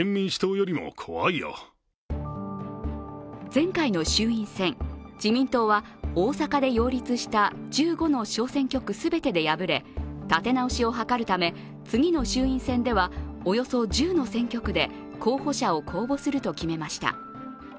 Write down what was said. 前回の衆院選、自民党は大阪で擁立した１５の小選挙区全てで敗れ立て直しを図るため、次の衆院選ではおよそ１０の選挙区で、候補者を公募すると決めました。